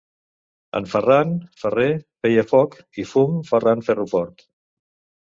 En Ferran, ferrer, feia foc i fum ferrant ferro fort.